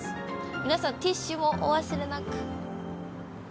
皆さん、ティッシュもお忘れなく。